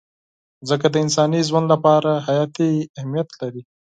مځکه د انساني ژوند لپاره حیاتي اهمیت لري.